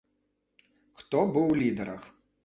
Хто быў ў лідарах?